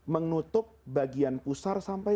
menutup bagian pusar sampai